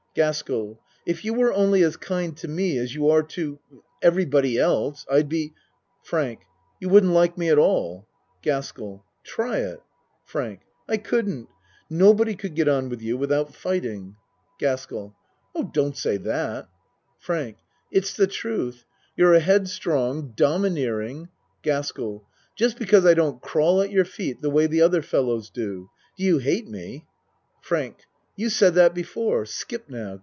GASKELL If you were only as kind to me as you are to everybody else I'd be FRANK You wouldn't like me at all. GASKELL Try it. FRANK I couldn't. Nobody could get on with you without fighting. 46 A MAN'S WORLD GASKELL Oh, don't say that FRANK It's the truth. You're a head strong, domineering GASKELL Just because I don't crawl at your feet the way the other fellows do. Do you hate me ? FRANK You said that before. Skip now.